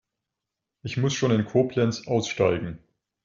Ich muss schon in Koblenz aussteigen